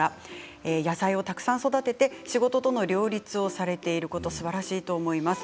野菜をたくさん育てて仕事との両立をされていることすばらしいと思います。